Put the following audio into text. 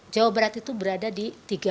jawa barat itu berada di tiga